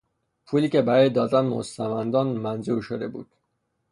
پولی که برای دادن به مستمندان منظور شده بود